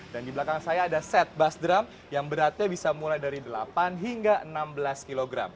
dan di belakang saya ada set bass drum yang beratnya bisa mulai dari delapan hingga enam belas kg